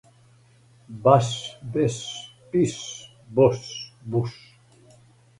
баш, беш, биш, бош. буш.